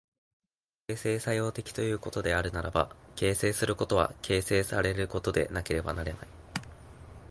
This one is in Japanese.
形成作用的ということであるならば、形成することは形成せられることでなければならない。